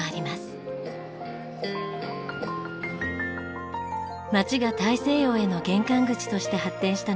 街が大西洋への玄関口として発展したのは１９世紀末。